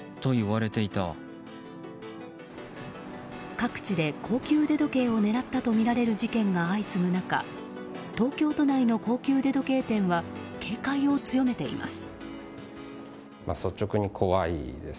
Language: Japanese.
各地で高級腕時計を狙ったとみられる事件が相次ぐ中東京都内の高級腕時計店は警戒を強めています。